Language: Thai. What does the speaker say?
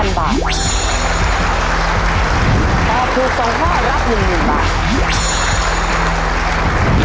ตอบถูก๒ข้อรับ๑๐๐๐บาท